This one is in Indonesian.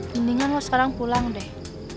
mendingan loh sekarang pulang deh